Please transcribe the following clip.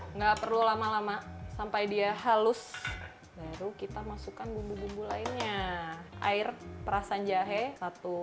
enggak perlu lama lama sampai dia halus baru kita masukkan bumbu bumbu lainnya air perasan jahe satu